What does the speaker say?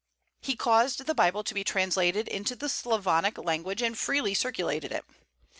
He caused the Bible to be translated into the Slavonic language, and freely circulated it.